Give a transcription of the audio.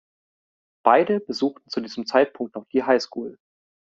Beide besuchten zu diesem Zeitpunkt noch die Highschool.